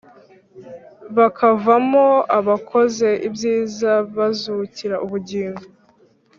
Bakavamo, abakoze ibyiza bazukira ubugingo,